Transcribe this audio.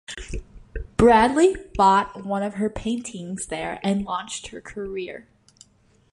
Bradley bought one of her paintings there and launched her career.